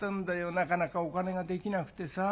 なかなかお金ができなくてさ。